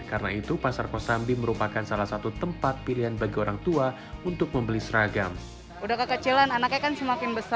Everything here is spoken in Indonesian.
karena itu pasar kosambi merupakan salah satu tempat pilihan bagi orang tua untuk membeli seragam